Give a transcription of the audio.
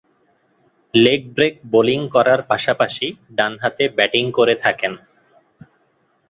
Leg break bowling করার পাশাপাশি ডানহাতে ব্যাটিং করে থাকেন।